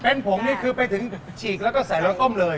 เป็นผงนี่คือไปถึงฉีกแล้วก็ใส่รถส้มเลย